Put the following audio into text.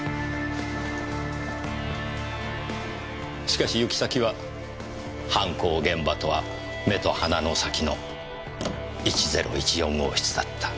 しかし行き先は犯行現場とは目と鼻の先の１０１４号室だった。